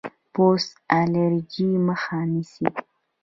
پوست الرجي مخه نیسي.